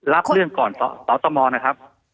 รับเรื่องก่อนสตมนะครับ